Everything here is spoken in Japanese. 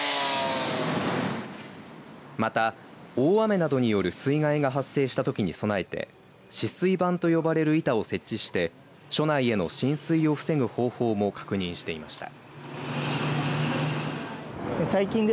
また大雨などによる水害が発生したときに備えて止水板と呼ばれる板を設置して署内への浸水を防ぐ方法も確認していました。